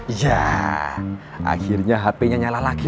iya akhirnya hpnya nyala lagi